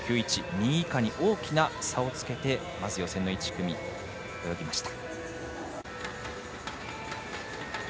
２位以下に大きな差をつけてまず予選の１組泳ぎました。